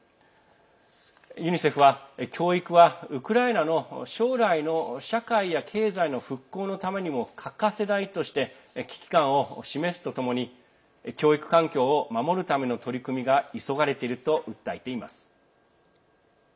ユニセフは教育はウクライナの将来の社会や経済の復興のためにも欠かせないとして危機感を示すとともに教育環境を守るための取り組みが急がれていると訴えています。